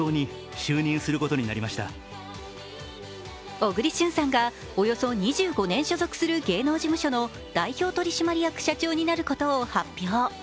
小栗旬さんがおよそ２５年所属する芸能事務所の代表取締役社長になることを発表。